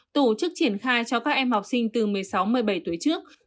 tổ chức triển khai cho các em học sinh từ một mươi sáu một mươi bảy tuổi trước